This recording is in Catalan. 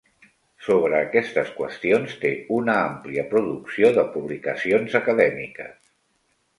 Sobre aquestes qüestions té una àmplia producció de publicacions acadèmiques.